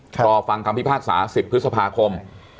รอฟังคำพิพากษา๑๐พฤษภาคม